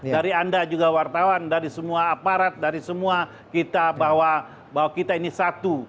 dari anda juga wartawan dari semua aparat dari semua kita bahwa kita ini satu